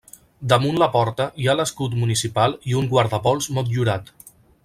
Damunt la porta hi ha l'escut municipal i un guardapols motllurat.